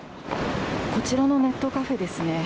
こちらのネットカフェですね。